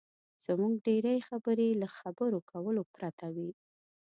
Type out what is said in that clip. زموږ ډېرې خبرې له خبرو کولو پرته وي.